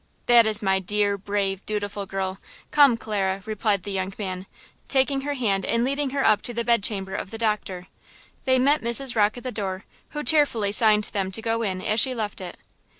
"That is my dear, brave, dutiful girl! Come, Clara!" replied the young man, taking her hand and leading her up to the bedchamber of the doctor. They met Mrs. Rocke at the door, who tearfully signed them to go in as she left it.